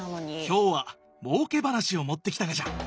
今日はもうけ話を持ってきたがじゃ。